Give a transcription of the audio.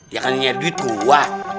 ya kan ini duit gua